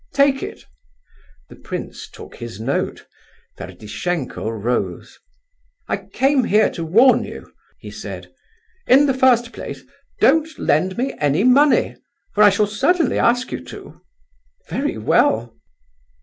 Take it." The prince took his note. Ferdishenko rose. "I came here to warn you," he said. "In the first place, don't lend me any money, for I shall certainly ask you to." "Very well."